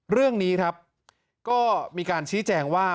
เรื่องนี้ครับก็มีการชี้แจงว่า